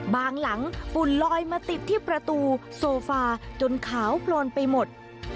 หลังฝุ่นลอยมาติดที่ประตูโซฟาจนขาวโปรนไปหมด